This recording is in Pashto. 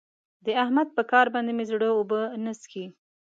د احمد په کار باندې مې زړه اوبه نه څښي.